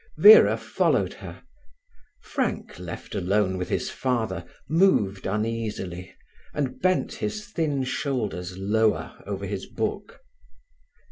Vera followed her. Frank, left alone with his father, moved uneasily, and bent his thin shoulders lower over his book.